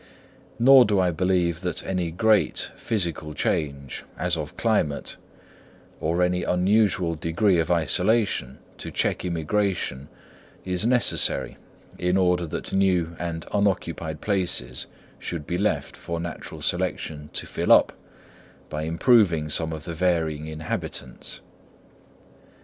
Nor do I believe that any great physical change, as of climate, or any unusual degree of isolation, to check immigration, is necessary in order that new and unoccupied places should be left for natural selection to fill up by improving some of the varying inhabitants.